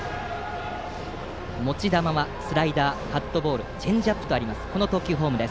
持ち球はスライダーカットボールチェンジアップとあります。